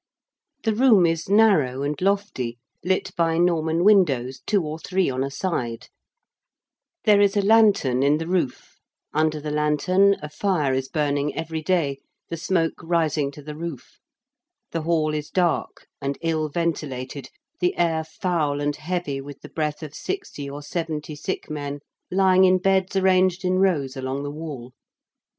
The room is narrow and lofty, lit by Norman windows, two or three on a side: there is a lanthorn in the roof: under the lanthorn a fire is burning every day, the smoke rising to the roof: the hall is dark and ill ventilated, the air foul and heavy with the breath of sixty or seventy sick men lying in beds arranged in rows along the wall.